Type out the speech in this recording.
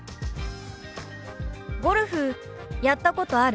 「ゴルフやったことある？」。